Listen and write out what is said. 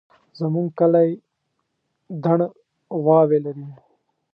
زموږ کلی دڼ غواوې لري